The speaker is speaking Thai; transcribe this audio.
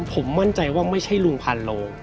ผมมั่นใจว่าไม่ใช่ลุงพันโล